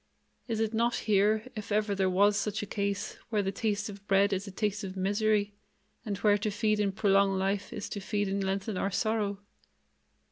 Is it not here, if ever there was such a case, where the taste of bread is a taste of misery, and where to feed and prolong life is to feed and lengthen our sorrow?